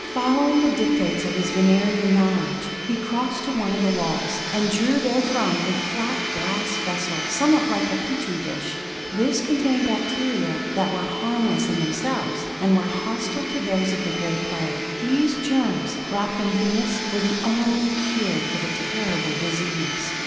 Following the dictates of his Venerian knowledge, he crossed to one of the walls, and drew therefrom a flat, glass vessel, somewhat like a petri dish. This contained bacteria that were harmless in themselves, and were hostile to those of the Gray Plague. These germs, brought from Venus, were the only cure for the terrible disease.